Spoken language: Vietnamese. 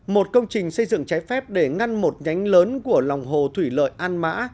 một công trình xây dựng trái phép để ngăn một nhánh lớn của lòng hồ thủy lợi an mã